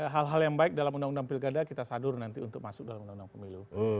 hal hal yang baik dalam undang undang pilkada kita sadur nanti untuk masuk dalam undang undang pemilu